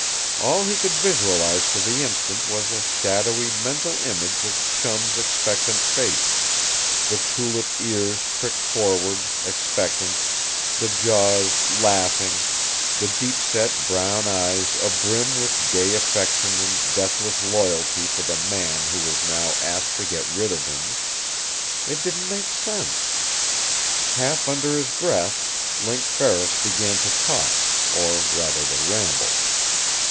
All he could visualize for the instant was a shadowy mental image of Chum's expectant face; the tulip ears pricked forward, expectant; the jaws "laughing"; the deepset brown eyes abrim with gay affection and deathless loyalty for the man who was now asked to get rid of him. It didn't make sense. Half under his breath Link Ferris began to talk or rather to ramble.